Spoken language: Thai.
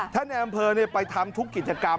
ท่านแอมเพลอไปทำทุกกิจกรรม